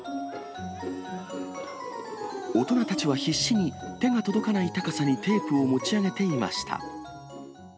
大人たちは必死に手が届かない高さにテープを持ち上げていました。